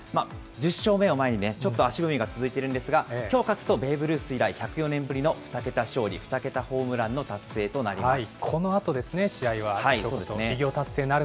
１０勝目を前に、ちょっと足踏みが続いてるんですが、きょう勝つとベーブ・ルース以来、１０４年ぶりとなる２桁勝利、２桁ホームランの達成となります。